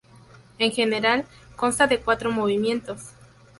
En general, consta de cuatro movimientos.